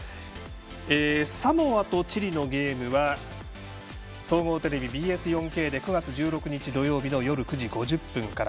サモアとチリのゲームは総合テレビ、ＢＳ４Ｋで９月１６日、土曜日の夜９時５０分から。